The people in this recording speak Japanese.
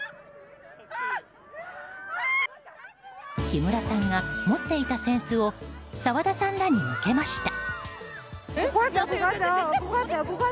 木村さんが持っていた扇子を澤田さんらに向けました。